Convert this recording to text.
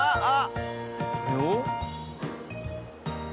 あっ。